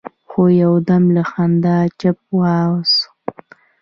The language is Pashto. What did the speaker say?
خو يودم له خندا چپه واوښت.